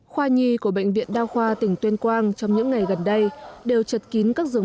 khoa nhi của bệnh viện đao khoa tỉnh tuyên quang trong những ngày gần đây đều trật kín các dường